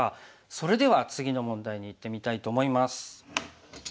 それでは次の問題にいってみたいと思います。